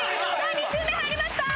・２周目入りました！